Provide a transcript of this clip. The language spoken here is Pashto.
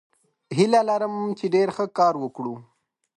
هیله لرم چې ډیر ښه کار وکړو.